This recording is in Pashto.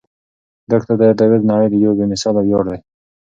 دا کتاب د ادبیاتو د نړۍ یو بې مثاله ویاړ دی.